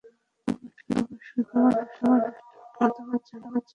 বাবা শুধু তোমার মতামত জানতে চেয়েছে।